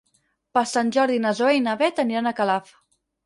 Per Sant Jordi na Zoè i na Bet aniran a Calaf.